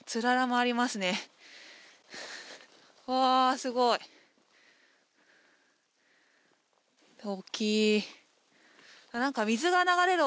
すごい。大きい。